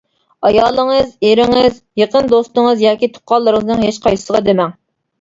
ئايالىڭىز، ئېرىڭىز، يېقىن دوستىڭىز ياكى تۇغقانلىرىڭىزنىڭ ھېچ قايسىسىغا دېمەڭ.